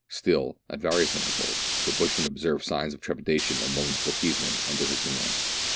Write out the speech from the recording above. Still, at various inter vals, the bushman observed signs of trepidation among the Bochjesmen under his command.